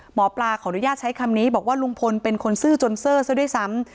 หมอปลาขออนุญาตใช้คำนี้บอกว่าลุงพลเป็นคนซื่อจนเซอร์ซะด้วยซ้ำ